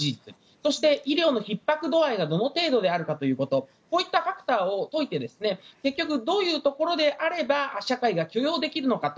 そして、医療のひっ迫度合いがどの程度であるかということをこういったファクターをおいて結局、どういうところであれば社会が許容できるのかと。